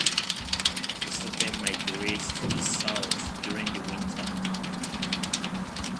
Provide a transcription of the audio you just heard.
Most of them migrate to the south during the winter.